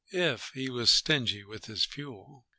if he was stingy with his fuel.